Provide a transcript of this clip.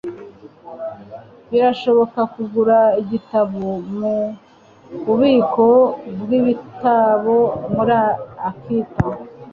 Birashoboka kugura igitabo mububiko bwibitabo muri Akita?